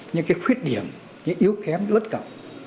những cái khuyết điểm những cái yếu kém những cái ớt cầm